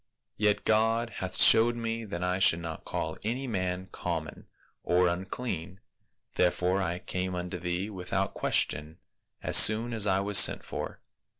Yet God hath showed me that I should not call any man common or unclean, therefore I came unto thee, without question, as soon as I was sent for.'